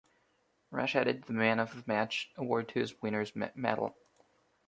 Rush added the Man of the Match award to his winner's medal.